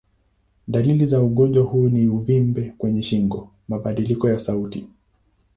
Dalili za ugonjwa huu ni uvimbe kwenye shingo, mabadiliko ya sauti.